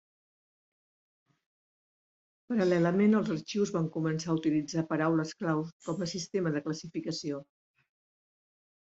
Paral·lelament els arxius van començar a utilitzar paraules clau com a sistema de classificació.